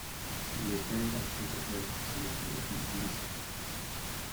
He was buried at Temple Hill Cemetery in Geneseo.